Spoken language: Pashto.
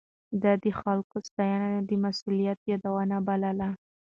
ده د خلکو ستاينه د مسؤليت يادونه بلله.